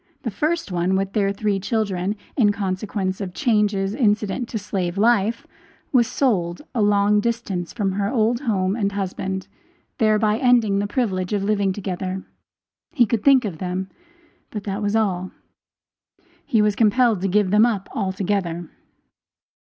The first one, with their three children, in consequence of changes incident to slave life, was sold a long distance from her old home and husband, thereby ending the privilege of living together; he could think of them, but that was all; he was compelled to give them up altogether.